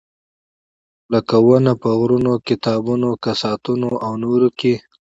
لکه ونه په غرونه، کتابونه، کساتونه او نور کې.